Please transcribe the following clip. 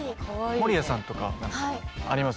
守屋さんとか何かあります？